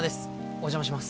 お邪魔します